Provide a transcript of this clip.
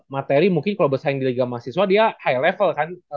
materi mungkin kalau bersaing di liga mahasiswa dia high level kan